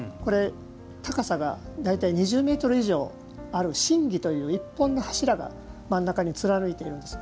これ高さが大体２０ｍ以上ある真木という１本の柱が真ん中に貫いているんです。